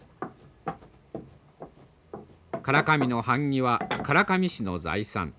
唐紙の版木は唐紙師の財産。